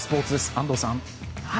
安藤さん。